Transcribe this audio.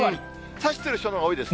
差してる人のほうが多いです